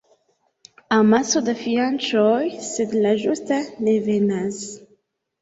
Amaso da fianĉoj, sed la ĝusta ne venas.